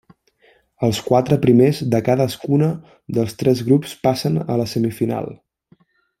Els quatre primers de cadascuna dels tres grups passen a la semifinal.